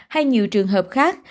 hay nhiều trường hợp khác